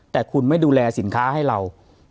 แต่คุณไม่ดูแลสินค้าให้เรา